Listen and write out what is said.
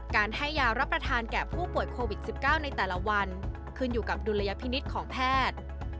การให้ยารับประทานแก่ผู้ป่วยโควิด๑๙ในแต่ละวันขึ้นอยู่กับดุลยพินิษฐ์ของแพทย์